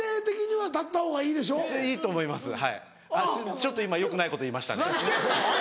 はいちょっと今よくないこと言いましたね。